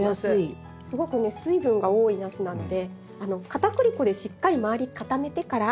すごくね水分が多いナスなのでかたくり粉でしっかり周り固めてから。